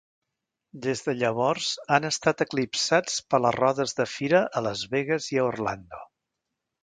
Des de llavors han estat eclipsats per les rodes de fira a Las Vegas i a Orlando.